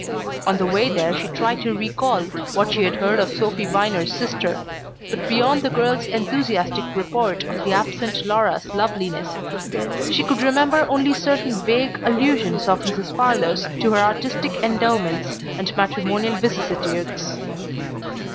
On the way there she tried to recall what she had heard of Sophy Viner's sister, but beyond the girl's enthusiastic report of the absent Laura's loveliness she could remember only certain vague allusions of Mrs. Farlow's to her artistic endowments and matrimonial vicissitudes.